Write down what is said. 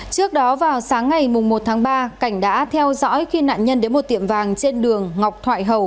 trước đó vào sáng ngày một tháng ba cảnh đã theo dõi khi nạn nhân đến một tiệm vàng trên đường ngọc thoại hầu